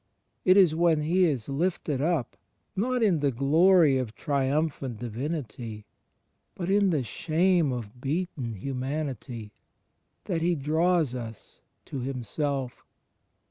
It is when He is "lifted up" — not in the glory of triumphant Divinity, but in the shame of beaten Humanity, that He draws us to Himself.